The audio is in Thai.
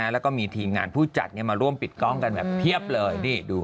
แล้วก็มีทีมงานผู้จัดมาร่วมปิดกล้องกันแบบเพียบเลยนี่ดู